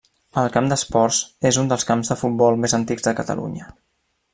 El Camp d'Esports és un dels camps de futbol més antics de Catalunya.